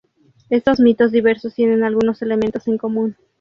Estos mitos diversos tienen algunos elementos en común.